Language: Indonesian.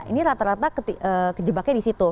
ini rata rata kejebaknya di situ